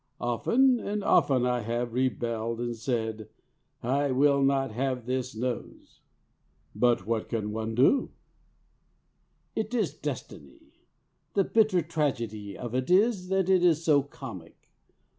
Often and often I have rebelled, and said, 'I will not have this nose!'" "But what can one do?" "It is destiny. The bitter tragedy of it is that it is so comic.